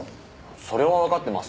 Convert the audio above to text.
それはわかってます。